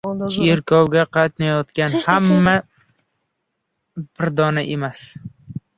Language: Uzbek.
• Cherkovga qatnagan hamma ham dindor emas.